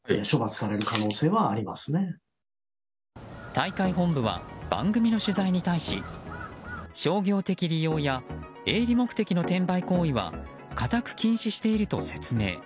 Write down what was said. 大会本部は番組の取材に対し商業的利用や営利目的の転売行為は固く禁止していると説明。